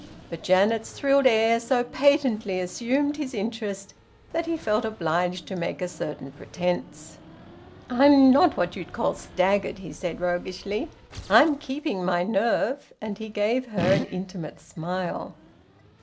But Janet's thrilled air so patently assumed his interest that he felt obliged to make a certain pretence. "I'm not what you'd call staggered," he said roguishly. "I'm keeping my nerve." And he gave her an intimate smile.